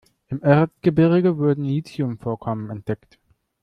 Im Erzgebirge wurden Lithium-Vorkommen entdeckt.